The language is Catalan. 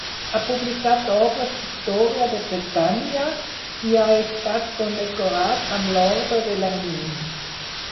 Ha publicat obres d'història de Bretanya i ha estat condecorat amb l'orde de l'Hermini.